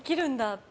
って